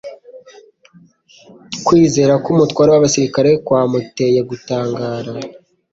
Kwizera kw'umutware w’abasirikari kvamutcye gutangara.